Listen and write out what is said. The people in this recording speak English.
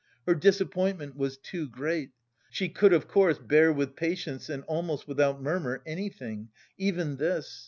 Her disappointment was too great. She could, of course, bear with patience and almost without murmur anything, even this.